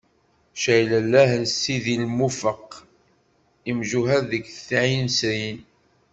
Caylellah s Sidi Lmufeq, imjuhad deg Tɛinsrin.